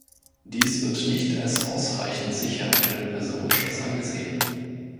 Dies wird nicht als ausreichend sicher für den Personenschutz angesehen.